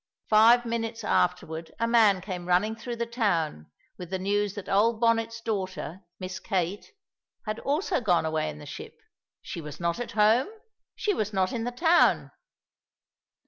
Five minutes afterward a man came running through the town with the news that old Bonnet's daughter, Miss Kate, had also gone away in the ship. She was not at home; she was not in the town.